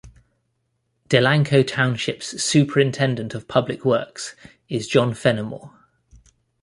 Delanco Township's Superintendent of Public Works is John Fenimore.